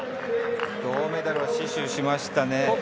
銅メダルを死守しましたね。